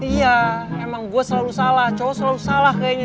iya emang gue selalu salah cowok selalu salah kayaknya